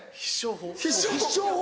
必勝法？